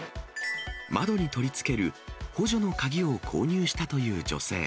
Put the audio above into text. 窓に取り付ける補助の鍵を購入したという女性。